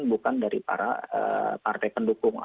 bukan dari para partai pendukung